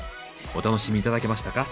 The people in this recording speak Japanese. お楽しみ頂けましたか？